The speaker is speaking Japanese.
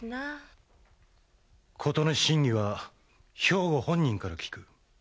事の真偽は兵庫本人から聞く。